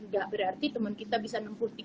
gak berarti temen kita bisa enam puluh tiga puluh lima